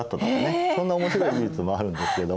そんな面白い事実もあるんですけれども。